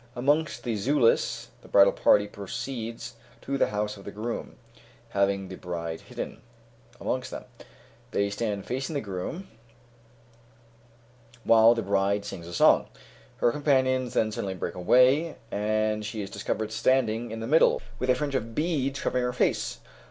Amongst the Zulus, the bridal party proceeds to the house of the groom, having the bride hidden amongst them. They stand facing the groom, while the bride sings a song. Her companions then suddenly break away, and she is discovered standing in the middle, with a fringe of beads covering her face.